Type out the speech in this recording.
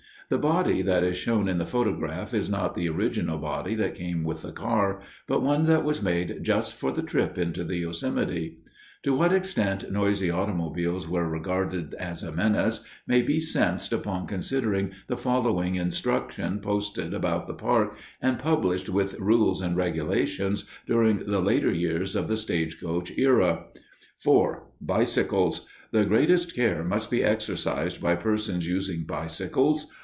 The body that is shown in the photograph is not the original body that came with the car, but one that was made just for the trip into the Yosemite. To what extent noisy automobiles were regarded as a menace may be sensed upon considering the following "Instruction" posted about the park and published with Rules and Regulations during the later years of the stagecoach era: (4) Bicycles.—The greatest care must be exercised by persons using bicycles.